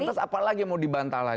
terus apalagi mau dibantah lagi